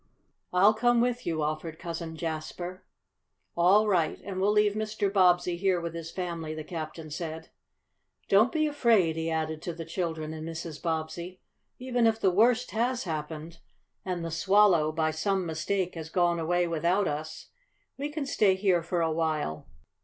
"I'll come with you," offered Cousin Jasper. "All right, and we'll leave Mr. Bobbsey here with his family," the captain said. "Don't be afraid," he added to the children and Mrs. Bobbsey. "Even if the worst has happened, and the Swallow, by some mistake, has gone away without us, we can stay here for a while.